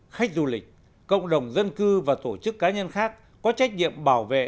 khách du lịch cộng đồng dân cư và tổ chức cá nhân khác có trách nhiệm bảo vệ